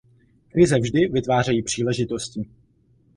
Krize vždy vytvářejí příležitosti.